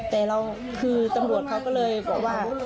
แต่เราคือตำรวจเขาก็เลยบอกว่า